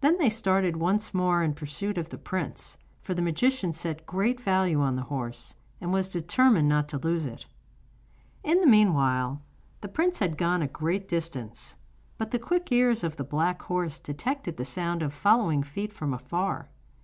Then they started once more in pursuit of the prince, for the magician set great value on the horse, and was determined not to lose it. In the meanwhile the prince had gone a great distance; but the quick ears of the black horse detected the sound of following feet from afar.